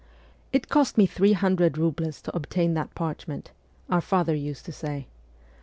' It cost me three hundred roubles to obtain that parchment,' our father used to say. .